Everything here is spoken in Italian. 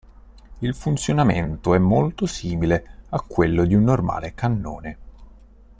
Il funzionamento è molto simile a quello di un normale cannone.